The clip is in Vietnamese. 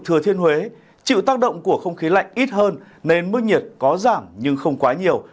thừa thiên huế chịu tác động của không khí lạnh ít hơn nên mức nhiệt có giảm nhưng không quá nhiều